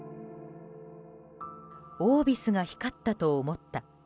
「オービスが光ったと思った」